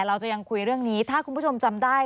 เราจะยังคุยเรื่องนี้ถ้าคุณผู้ชมจำได้